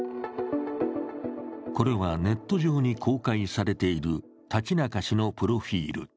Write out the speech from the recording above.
これはネット上に公開されている立中氏のプロフィール。